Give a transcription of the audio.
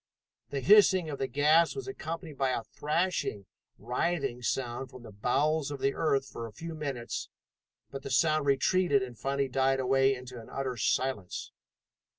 The hissing of the gas was accompanied by a thrashing, writhing sound from the bowels of the earth for a few minutes, but the sound retreated and finally died away into an utter silence.